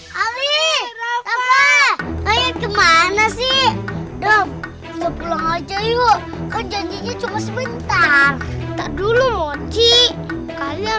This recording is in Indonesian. hai ali apa kayak gimana sih dong pulang aja yuk kan janjinya cuma sebentar dulu mochi kalian